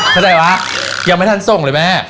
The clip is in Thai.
เข้าใจวะยังไม่ทันส่งเลยแม่